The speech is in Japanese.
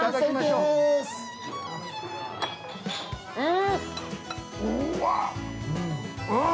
◆うん！